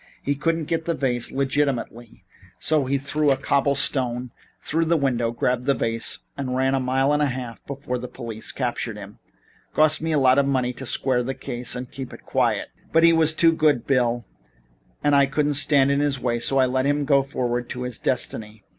He couldn't get the vase legitimately, so he threw a cobble stone through the window, grabbed the vase and ran a mile and a half before the police captured him. Cost me a lot of money to square the case and keep it quiet. But he was too good, Bill, and I couldn't stand in his way; I let him go forward to his destiny.